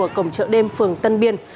ở cổng chợ đêm phường tân biên